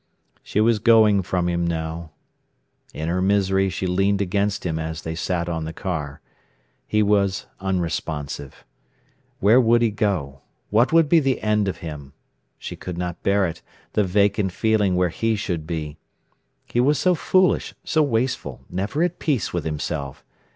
She was going from him now. In her misery she leaned against him as they sat on the car. He was unresponsive. Where would he go? What would be the end of him? She could not bear it, the vacant feeling where he should be. He was so foolish, so wasteful, never at peace with himself.